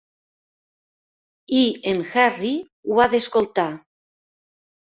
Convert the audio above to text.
I en Harry ho ha d'escoltar.